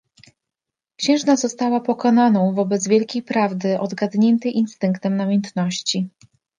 "Księżna została pokonaną wobec wielkiej prawdy odgadniętej instynktem namiętności."